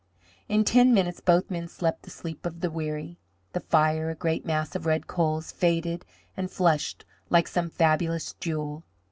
In ten minutes both men slept the sleep of the weary. The fire, a great mass of red coals, faded and flushed like some fabulous jewel.